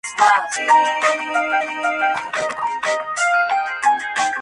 Desde esta parte baja de la ribera es visible la parte alta del Torreón.